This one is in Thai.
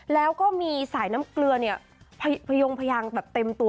แล้วก็มีสายน้ำเกลือพยายามแบบเต็มตัว